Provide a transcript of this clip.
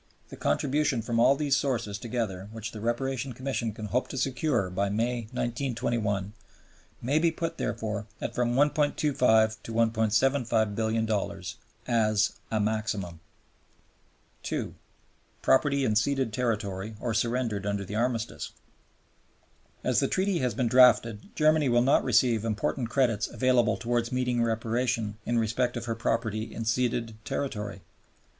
The contribution from all these sources together which the Reparation Commission can hope to secure by May, 1921, may be put, therefore, at from $1,250,000,000 to $1,750,000,000 as a maximum. 2. Property in ceded Territory or surrendered under the Armistice As the Treaty has been drafted Germany will not receive important credits available towards meeting reparation in respect of her property in ceded territory.